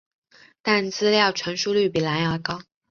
但资料传输率比蓝牙高。